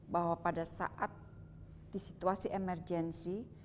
bahwa pada saat di situasi emergensi